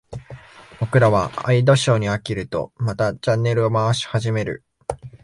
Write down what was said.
僕らはワイドショーに飽きると、またチャンネルを回し始める。